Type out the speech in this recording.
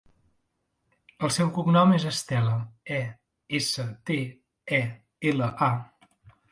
El seu cognom és Estela: e, essa, te, e, ela, a.